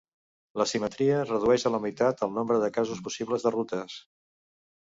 La simetria redueix a la meitat el nombre de casos possibles de rutes.